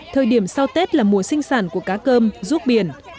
thời điểm sau tết là mùa sinh sản của cá cơm ruốc biển